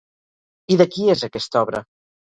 I de qui és aquesta obra?